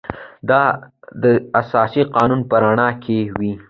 دا د اساسي قانون په رڼا کې وي.